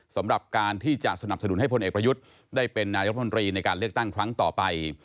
สำหรับการที่จะสนับสนุนให้พลเอกประยุทธ์ได้เป็นนายรัฐมนตรีในการเลือกตั้งครั้งต่อไป